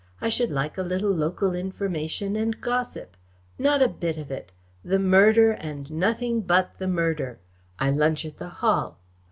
I should like a little local information and gossip. Not a bit of it. The murder, and nothing but the murder! I lunch at the Hall.